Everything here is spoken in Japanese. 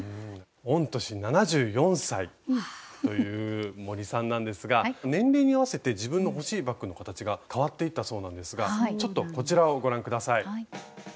御年７４歳という森さんなんですが年齢に合わせて自分の欲しいバッグの形が変わっていったそうなんですがちょっとこちらをご覧下さい。